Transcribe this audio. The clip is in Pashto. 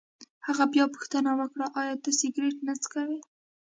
هغه بیا پوښتنه وکړه: ایا ته سګرېټ نه څکوې؟